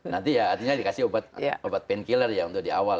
nanti ya artinya dikasih obat painkiller ya untuk di awal